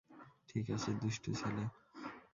ঠিক আছে, দুষ্টু ছেলে!